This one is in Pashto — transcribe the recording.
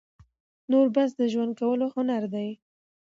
نور بس د ژوند کولو هنر دى،